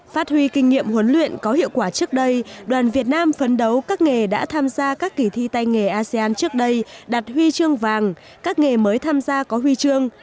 phát huy kinh nghiệm huấn luyện có hiệu quả trước đây đoàn việt nam phấn đấu các nghề đã tham gia các kỳ thi tay nghề asean trước đây đạt huy chương vàng các nghề mới tham gia có huy chương